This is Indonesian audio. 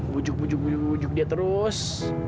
mujuk mujuk mujuk dia terus